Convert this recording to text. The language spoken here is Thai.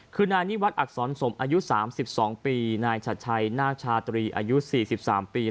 คือนายนิวัตรอักษรสมอายุ๓๒ปีนายชัดชัยนาคชาตรีอายุ๔๓ปี